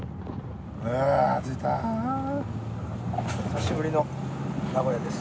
久しぶりの名古屋です。